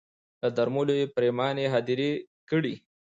له درملو یې پرېماني هدیرې کړې